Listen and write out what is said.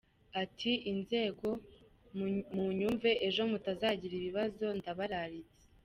Ati “Inzego munyumve, ejo mutazagira ibibazo, ndabararitse.